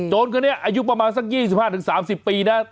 คนนี้อายุประมาณสัก๒๕๓๐ปีนะ